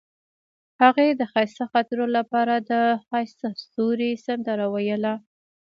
هغې د ښایسته خاطرو لپاره د ښایسته ستوري سندره ویله.